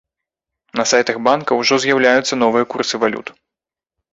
На сайтах банкаў ужо з'яўляюцца новыя курсы валют.